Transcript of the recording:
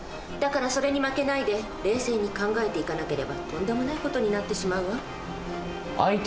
だからそれに負けないで冷静に考えていかなければとんでもない事になってしまうわ。